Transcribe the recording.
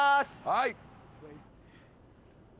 はい。